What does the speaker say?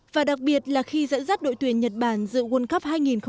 và đặc biệt là khi dẫn dắt đội tuyển nhật bản dự world cup hai nghìn hai